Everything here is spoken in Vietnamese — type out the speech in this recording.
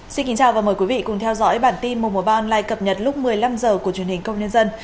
xin kính chào và mời quý vị cùng theo dõi bản tin mùa ba online cập nhật lúc một mươi năm h của truyền hình công nhân dân